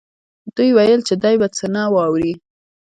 دوی ویل چې دی به څه نه واوري